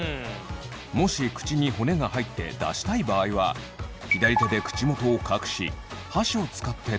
もし口に骨が入って出したい場合は左手で口元を隠し箸を使って取り出します。